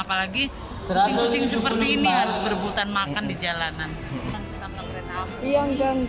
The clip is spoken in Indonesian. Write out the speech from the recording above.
apalagi kucing kucing seperti ini harus berebutan makan di jalanan